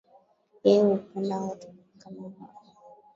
Yeye hupenda watu kama wao